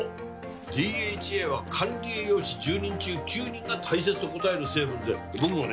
ＤＨＡは管理栄養士１０人中９人が大切と答える成分で僕もね